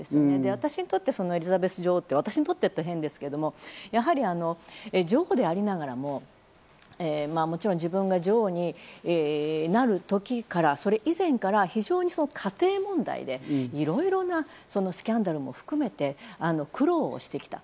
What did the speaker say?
私にとってエリザベス女王って私にとってというと変ですけれども、女王でありながらももちろん自分が女王になる時から、それ以前から家庭問題でいろいろなスキャンダルも含めて苦労してきた。